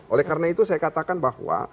oleh karena itu saya katakan bahwa